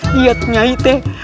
lihat nyai teh